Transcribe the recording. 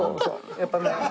やっぱね。